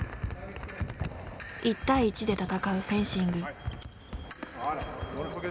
１対１で戦うフェンシング。